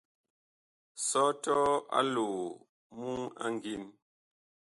Sɔtɔɔ aloo muŋ a ngin.